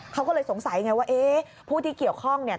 เขาก็เลยสงสัยอย่างไรว่าพูดที่เกียรติข้องเนี่ย